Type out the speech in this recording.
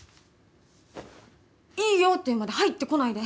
「いいよ」って言うまで入ってこないで。